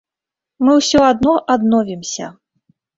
Мы ўсё адно адновімся.